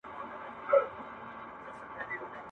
o نه څښتن خبرېده، نه سپي غپېده، غل هسي و تښتېده!